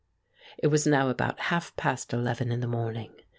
It was now about half past eleven in the morning.